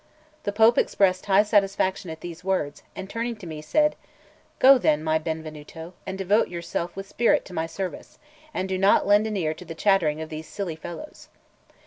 The Pope expressed high satisfaction at these words, and turning to me said: "Go then, my Benvenuto, and devote yourself with spirit to my service, and do not lend an ear to the chattering of these silly fellows."